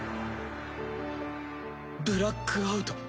ブラックアウト？